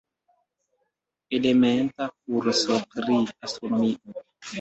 Elementa kurso pri astronomio.